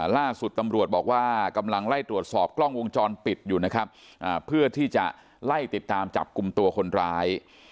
ล่าสุดตำรวจบอกว่ากำลังไล่ตรวจสอบกล้องวงจรปิดอยู่นะครับเพื่อที่จะไล่ติดตามจับกลุ่มตัวคนร้าย